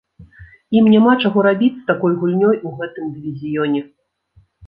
Ім няма чаго рабіць з такой гульнёй у гэтым дывізіёне.